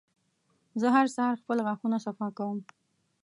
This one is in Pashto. زه هر سهار خپل غاښونه صفا کوم.